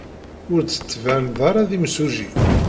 Ur d-tettbaned ara d imsujji.